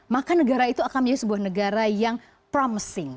maka negara itu akan menjadi sebuah negara yang promising